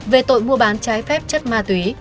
về tội mua bán trái phép chất ma túy